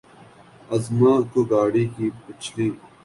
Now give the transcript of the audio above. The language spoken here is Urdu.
اعظمی کو گاڑی کی پچھلی